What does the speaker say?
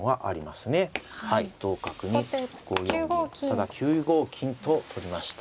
ただ９五金と取りました。